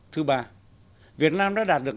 thứ ba việt nam đã đạt được